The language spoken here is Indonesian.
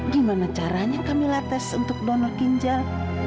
gimana caranya kamila tes untuk donor ginjal